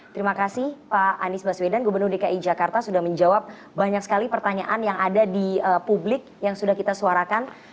terima kasih pak anies baswedan gubernur dki jakarta sudah menjawab banyak sekali pertanyaan yang ada di publik yang sudah kita suarakan